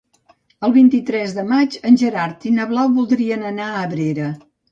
El vint-i-tres de maig en Gerard i na Blau voldrien anar a Abrera.